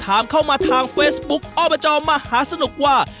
ถามเข้ามาทางเฟซบุ๊คอบจมหาสนุกว่า